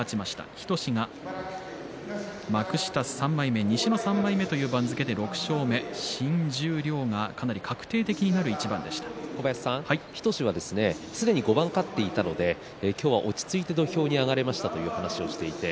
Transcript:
日翔志が幕下西の３枚目で６勝目新十両がかなり確定的になる日翔志はすでに５番勝っていたので今日は落ち着いて土俵に上がれましたと話しています。